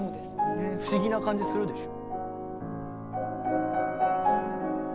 不思議な感じするでしょ。